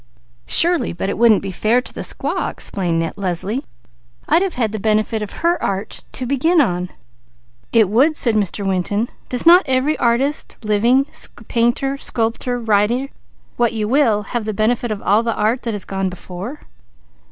"Surely, but it wouldn't be fair to the squaw," explained Leslie. "I'd have had the benefit of her art to begin on." "It would," said Mr. Winton. "Does not every artist living, painter, sculptor, writer, what you will, have the benefit of all art that has gone before?"